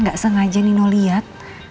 gak sengaja nino liat